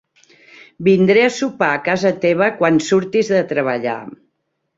Vindré a sopar a casa teva quan surtis de treballar.